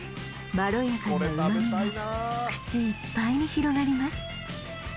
まろやかな旨みが口いっぱいに広がります